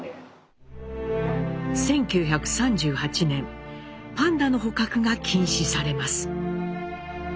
１９３８年パンダの捕獲が禁止されます。